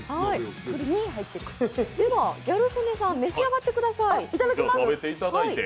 ではギャル曽根さん、召し上がってください。